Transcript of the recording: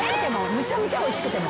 むちゃむちゃおいしくても？